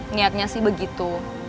niatnya sih begitu